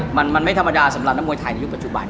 มันไม่ธรรมดาสำหรับนักมวยไทยในยุคปัจจุบัน